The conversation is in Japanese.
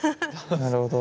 なるほど。